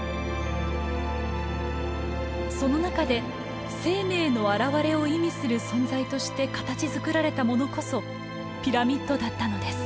その中で「生命のあらわれ」を意味する存在として形づくられたものこそピラミッドだったのです。